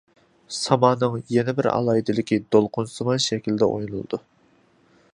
سامانىڭ يەنە بىر ئالاھىدىلىكى، دولقۇنسىمان شەكىلدە ئوينىلىدۇ.